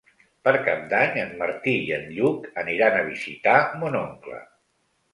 Per Cap d'Any en Martí i en Lluc aniran a visitar mon oncle.